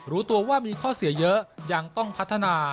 รู้ตัวว่ามีข้อเสียเยอะยังต้องพัฒนา